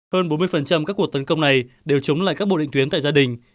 hơn bốn mươi các cuộc tấn công này đều chống lại các bộ định tuyến tại gia đình